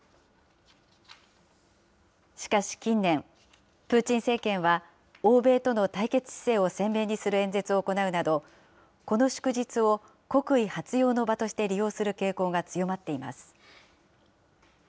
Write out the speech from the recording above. しかし近年、プーチン政権は欧米との対決姿勢を鮮明にする演説を行うなど、この祝日を、国威発揚の場として利用する傾向が強まっています。